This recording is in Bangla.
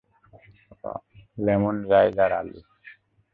লেমন রাইজ আর আলু।